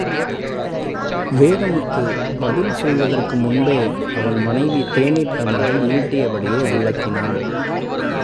வேதமுத்து பதில் சொல்வதற்கு முன்பே அவன் மனைவி தேநீர் டம்ளரை நீட்டியபடியே விளக்கினாள்.